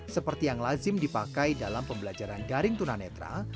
seperti yang lazim dipakai dalam pembelajaran daring tunanetra